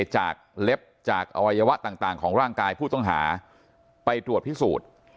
จากเล็บจากอวัยวะต่างของร่างกายผู้ต้องหาไปตรวจพิสูจน์